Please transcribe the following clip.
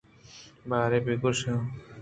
باریں بہ گوٛش